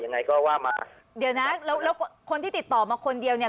ยังไงก็ว่ามาเดี๋ยวนะแล้วแล้วคนที่ติดต่อมาคนเดียวเนี่ย